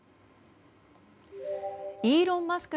イーロン・マスク